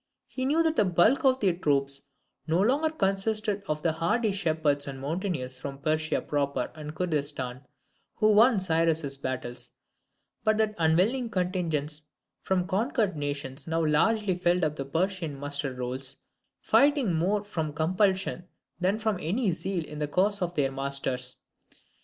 He knew that the bulk of their troops no longer consisted of the hardy shepherds and mountaineers from Persia Proper and Kurdistan, who won Cyrus's battles: but that unwilling contingents from conquered nations now largely filled up the Persian muster rolls, fighting more from compulsion than from any zeal in the cause of their masters.